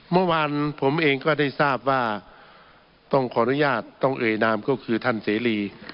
เมื่อวานผมเองก็ได้ทราบว่าต้องขออนุญาตต้องเอ่ยนามก็คือท่านเสรี